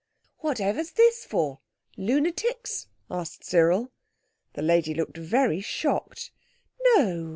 "What ever's this for?—lunatics?" asked Cyril. The lady looked very shocked. "No!